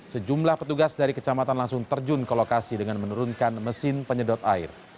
sejumlah petugas dari kecamatan langsung terjun ke lokasi dengan menurunkan mesin penyedot air